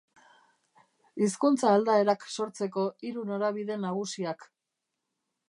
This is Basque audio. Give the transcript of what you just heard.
Hizkuntza-aldaerak sortzeko hiru norabide nagusiak.